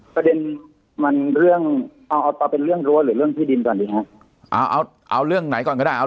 ประเด็นมันเรื่องเอาเป็นเรื่องรั้วหรือเรื่องพี่ดินก่อนดีครับ